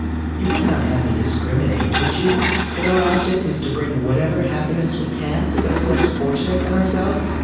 You would not have me discriminate, would you, when our object is to bring whatever happiness we can to those less fortunate than ourselves?